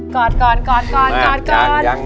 กอดก่อนก่อนก่อนก่อน